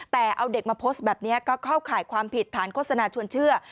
แต่เอาเด็กมาโพสต์แบบนี้ก็เข้าข่ายความผิดฐานโฆษณาชวนเชื่อ